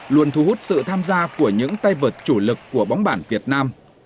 luôn thu hút sự tham gia của những tay vợt chủ lực của bóng bàn việt nam